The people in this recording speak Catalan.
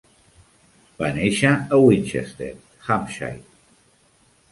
Va néixer a Winchester, Hampshire.